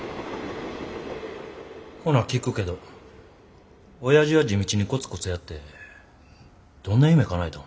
ほな聞くけどおやじは地道にコツコツやってどんな夢かなえたん。